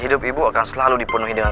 hidup ibu akan selalu dipenuhi dengan